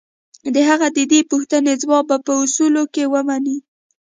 د هغه د دې پوښتنې ځواب به په اصولو کې ومومئ.